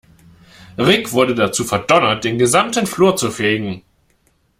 Rick wurde dazu verdonnert, den gesamten Flur zu fegen.